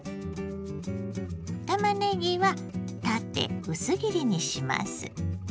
たまねぎは縦薄切りにします。